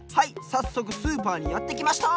さっそくスーパーにやってきました！